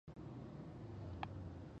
واوره د افغانستان د ژمنۍ طبیعت ښکلې برخه ده.